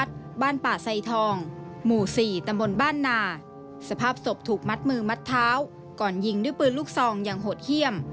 สภาพศพถูกมัดมือมัดเท้าก่อนยิงด้วยปืนลูกซองอย่างหดเขี้ยม